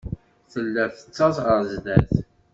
Tella tettaẓ ɣer sdat.